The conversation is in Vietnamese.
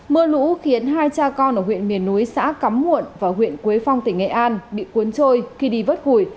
mưa lũ khiến hai cha con ở huyện miền núi xã cắm nguộn và huyện quế phong tỉnh nghệ an bị cuốn trôi khi đi vất hủi